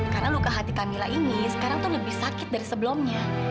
karena luka hati kamilah ini sekarang tuh lebih sakit dari sebelumnya